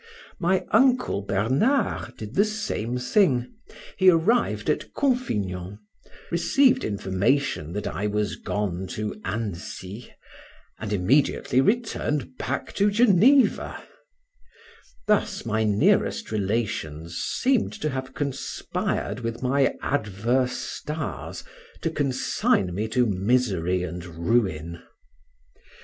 My uncle Bernard did the same thing, he arrived at Consignon, received information that I was gone to Annecy, and immediately returned back to Geneva; thus my nearest relations seemed to have conspired with my adverse stars to consign me to misery and ruin.